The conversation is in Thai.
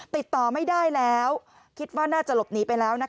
ติดต่อไม่ได้แล้วคิดว่าน่าจะหลบหนีไปแล้วนะคะ